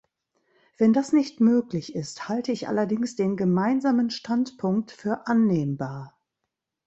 Wenn das nicht möglich ist, halte ich allerdings den Gemeinsamen Standpunkt für annehmbar.